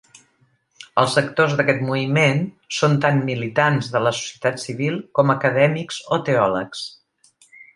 Els actors d'aquest moviment són tant militants de la societat civil com acadèmics o teòlegs.